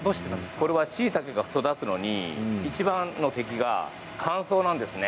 これしいたけが育つのでいちばんの敵が乾燥なんですね。